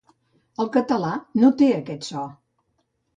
El català no té aquest so.